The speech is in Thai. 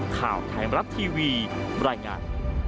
ข่าวไทยมรัฐทีวีบรรยายงาน